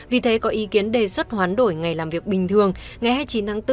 vì thế có ý kiến đề xuất hoán đổi ngày làm việc bình thường ngày hai mươi chín tháng bốn